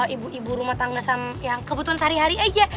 ibu ibu rumah tangga yang kebutuhan sehari hari aja